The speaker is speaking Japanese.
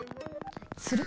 する？